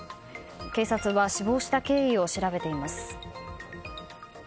警察は死亡した経緯を調べています。